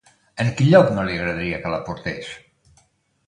En quin lloc no li agradaria que la portés?